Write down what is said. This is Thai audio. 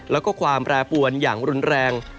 แล้วก็ความแปรปวนอย่างรุนแรง